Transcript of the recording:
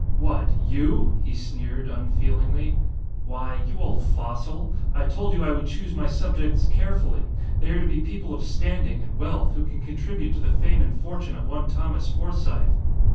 "What? You?" he sneered, unfeelingly. "Why, you old fossil! I told you I would choose my subjects carefully. They are to be people of standing and wealth, who can contribute to the fame and fortune of one Thomas Forsythe."